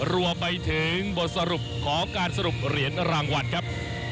รวมไปถึงบทสรุปของการสรุปเหรียญรางวัลครับ